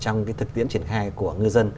trong cái thực tiễn triển khai của người dân